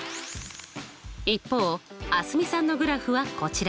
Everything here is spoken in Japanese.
一方蒼澄さんのグラフはこちら。